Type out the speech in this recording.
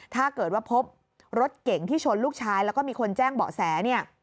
ถ้าเกิดว่าพบรถเก่งที่ชนลูกชายแล้วก็มีคนแจ้งเบาะแสเนี่ย